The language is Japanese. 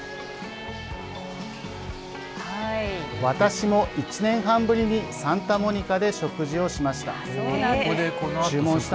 私も１年半ぶりにサンタモニカで食事をしました。